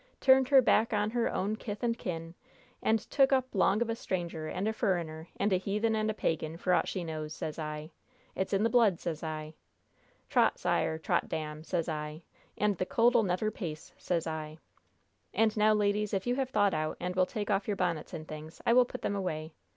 Turned her back on her own kith and kin, and took up 'long of a stranger and a furriner, and a heathen and a pagan, for aught she knows, sez I! It's in the blood, sez I! 'Trot sire, trot dam,' sez I! 'and the colt'll never pace,' sez I! And now, ladies, if you have thawed out and will take off your bonnets and things, I will put them away.